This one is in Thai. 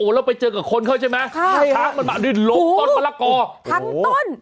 แล้วไปเจอกับคนเขาใช่ไหมชักมันมาเดินหลบตอนพลโกทั้งต้น